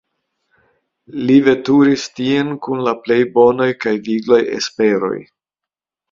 Li veturis tien kun la plej bonaj kaj viglaj esperoj.